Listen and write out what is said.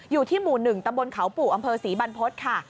อยู่ที่หมู่๑ตำบลเขาปู่อำเภอศรีบรรพฤษค่ะ